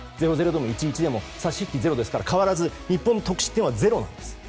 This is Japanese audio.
０−０でも１−１でも差し引き０ですから変わらず日本の得失点は０です。